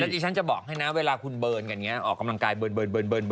แล้วจริงฉันจะบอกให้นะเวลาคุณเบิร์นกันเนี่ยออกกำลังกายเบิร์น